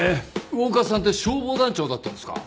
魚勝さんって消防団長だったんですか？